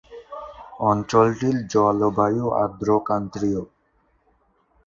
অঞ্চলটির জলবায়ু আর্দ্র ক্রান্তিয়।